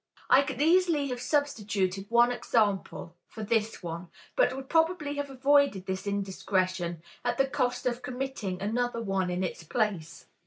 I could easily have substituted another example for this one, but would probably have avoided this indiscretion at the cost of committing another one in its place.